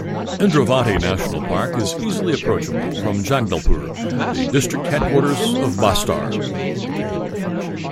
Indravati National Park is easily approachable from Jagdalpur, the district headquarters of Bastar.